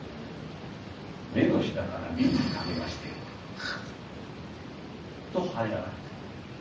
目の下から鬢にかけましてカッと腫れ上がってくる。